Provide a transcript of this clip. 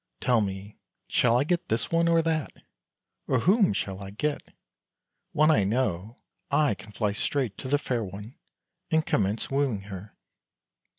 Tell me, shall I get this one or that ? or whom shall I get ? When I know, I can fly straight to the fair one, and commence wooing her."